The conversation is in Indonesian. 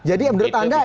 jadi menurut anda